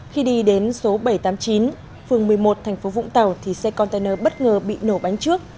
khi đi đến số bảy trăm tám mươi chín phường một mươi một thành phố vũng tàu thì xe container bất ngờ bị nổ bánh trước